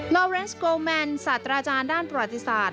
ลอเรนซ์กอลแมนสัตว์ราชาณด้านประวัติศาสตร์